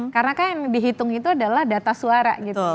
karena kan yang dihitung itu adalah data suara